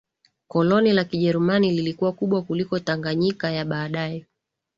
Koloni la Kijerumani lilikuwa kubwa kuliko Tanganyika ya baadaye